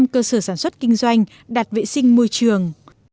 chín mươi cơ sở sản xuất kinh doanh đạt vệ sinh môi trường